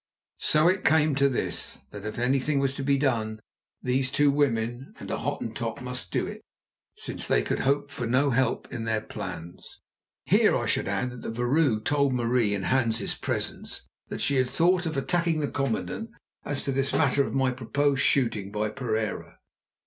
So it came to this, that if anything was to be done, these two women and a Hottentot must do it, since they could hope for no help in their plans. Here I should add that the vrouw told Marie in Hans's presence that she had thought of attacking the commandant as to this matter of my proposed shooting by Pereira.